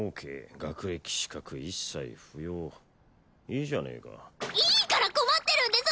学歴資格一切不要いいじゃねえかいいから困ってるんです！